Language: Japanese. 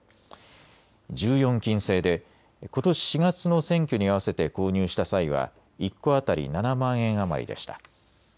１４金製でことし４月の選挙に合わせて購入した際は１個当たり７万円余りでした。